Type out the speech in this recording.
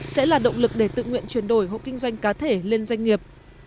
sẽ là động lực để tự nguyện chuyển đổi hộ kinh doanh cá thể lên doanh nghiệp